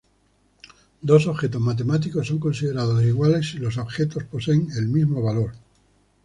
Dos objetos matemáticos son considerados iguales si los objetos poseen el mismo valor.